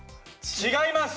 違います！